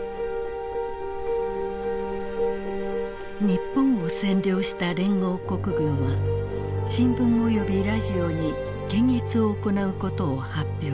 日本を占領した連合国軍は新聞およびラジオに検閲を行うことを発表。